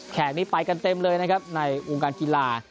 นี้ไปกันเต็มเลยนะครับในวงการกีฬา